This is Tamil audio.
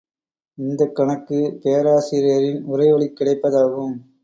இந்தக் கணக்கு பேராசிரியரின் உரைவழிக் கிடைப்பதாகும்.